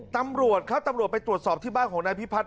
ตำรวจครับตำรวจไปตรวจสอบที่บ้านของนายพิพัฒน